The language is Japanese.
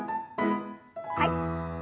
はい。